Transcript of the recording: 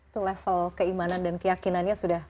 itu level keimanan dan keyakinannya sudah